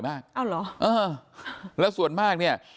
โปรดติดตามต่อไป